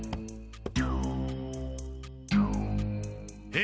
え